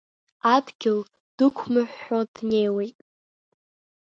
Адгьыл дықәмыҳәҳәо днеиуеит…